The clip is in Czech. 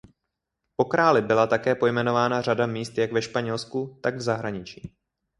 Po králi byla také pojmenována řada míst jak ve Španělsku tak v zahraničí.